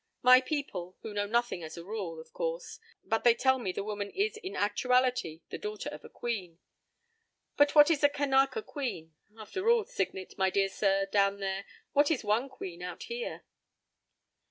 My people, who know nothing as a rule, of course—but they tell me the woman is in actuality the daughter of a queen. But what is a Kanaka queen? After all, Signet, my dear sir, down there, what is one queen, out here?"